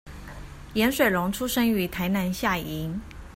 顏水龍出生於台南下營